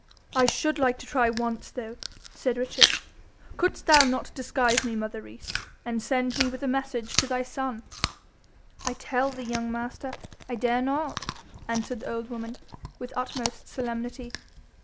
'I should like to try once, though,' said Richard. 'Couldst thou not disguise me, mother Rees, and send me with a message to thy son?' 'I tell thee, young master, I dare not,' answered the old woman, with utmost solemnity.